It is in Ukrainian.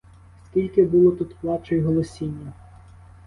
Скільки було тут плачу й голосіння!